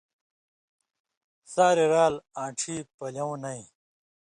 ساریۡ رال آن٘ڇھیۡ پلیؤں نَیں،